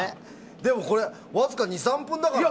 でも、わずか２３分だからね。